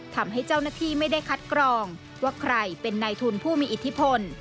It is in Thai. ทำให้เจ้าหน้าที่ไม่ได้คัดกรองว่าใครเป็นนายทุนผู้มีอิทธิพล